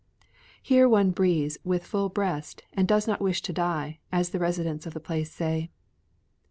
Here one breathes with full breast and "does not wish to die," as the residents of the place say.